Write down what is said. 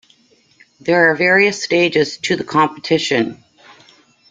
There are various stages to the competition.